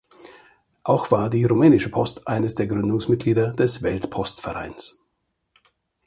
Auch war die rumänische Post eines der Gründungsmitglieder des Weltpostvereins.